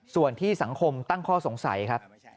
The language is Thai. ส่วนที่สังคมตั้งข้อสงสัยครับ